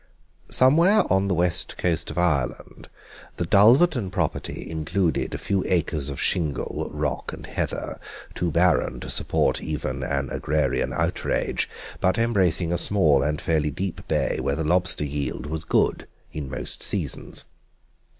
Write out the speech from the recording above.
Somewhere on the west coast of Ireland the Dulverton property included a few acres of shingle, rock, and heather, too barren to support even an agrarian outrage, but embracing a small and fairly deep bay where the lobster yield was good in most seasons.